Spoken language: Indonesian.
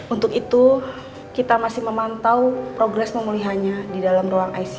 untuk itu kita masih memantau progres pemulihannya di dalam ruang icu